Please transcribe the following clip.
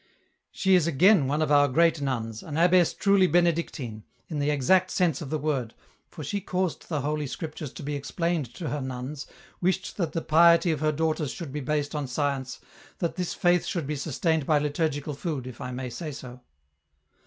*' She is again one of our great nuns, an abbess truly Benedictine, in the exact sense of the word, for she caused the Holy Scriptures to be explained to her nuns, wished that the piety of her daughters should be based on science, that this faith should be sustained by liturgical food, if I may say so."